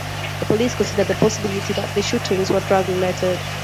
The police considered the possibility that the shootings were drug-related.